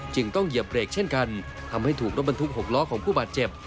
ต้องเหยียบเบรกเช่นกันทำให้ถูกรถบรรทุก๖ล้อของผู้บาดเจ็บ